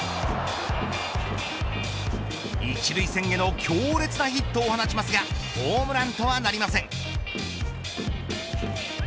１塁線への強烈なヒットを放ちますがホームランとはなりません。